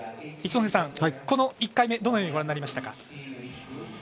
この１回目、どのようにご覧になりましたか？